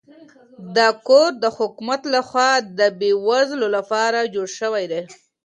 دا کور د حکومت لخوا د بې وزلو لپاره جوړ شوی دی.